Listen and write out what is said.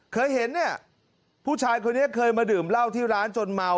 เคยเห็นเนี่ยผู้ชายคนนี้เคยมาดื่มเหล้าที่ร้านจนเมา